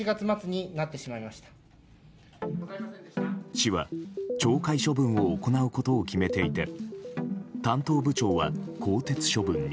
市は、懲戒処分を行うことを決めていて担当部長は更迭処分に。